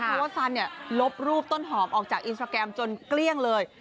เพราะว่าซันเนี่ยลบรูปต้นหอมออกจากอินสตราแกรมจนเกลี้ยงเลย